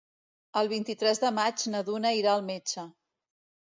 El vint-i-tres de maig na Duna irà al metge.